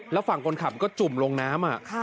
แล้วฝั่งคนขับก็จุ่มลงน้ำ